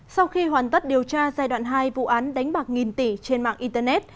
sau khi hoàn tất điều tra giai đoạn hai vụ án đánh bạc nghìn tỷ trên mạng internet